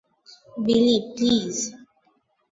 বিলি, প্লিজ!